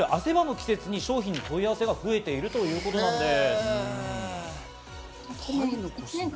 季節に商品の問い合わせが増えているということです。